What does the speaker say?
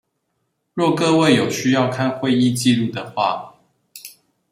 若各位有需要看會議紀錄的話